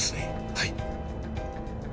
はい。